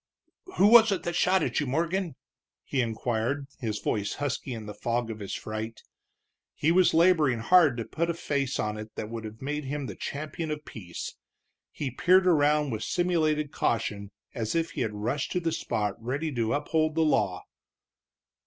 "Who was it that shot at you, Morgan?" he inquired, his voice husky in the fog of his fright. He was laboring hard to put a face on it that would make him the champion of peace; he peered around with simulated caution, as if he had rushed to the spot ready to uphold the law.